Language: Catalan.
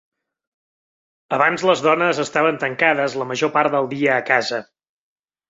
Abans les dones estaven tancades la major part del dia a casa.